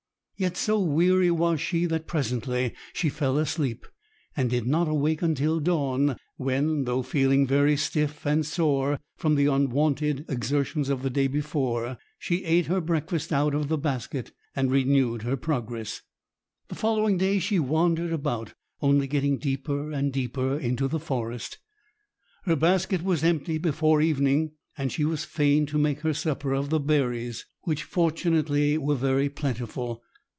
Yet so weary was she that presently she fell asleep, and did not awake until dawn, when, though feeling very stiff and sore from the unwonted exertions of the day before, she ate her breakfast out of the basket and renewed her progress. The following day she wandered about, only getting deeper and deeper into the forest. Her basket was empty before evening, and she was fain to make her supper of the berries, which fortunately were very plentiful.